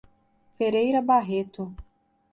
Pereira Barreto